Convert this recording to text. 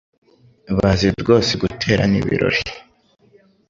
Bazi rwose guterana ibirori!